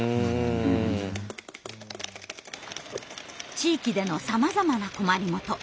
地域でのさまざまな困りごと。